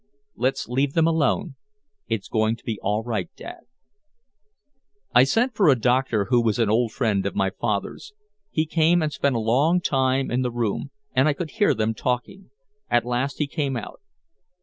Let's leave them alone. It's going to be all right, Dad." I sent for a doctor who was an old friend of my father's. He came and spent a long time in the room, and I could hear them talking. At last he came out.